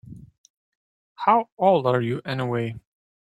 How old are you anyway?